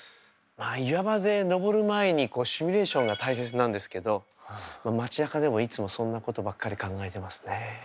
岩場で登る前にシミュレーションが大切なんですけど街なかでもいつもそんなことばっかり考えてますね。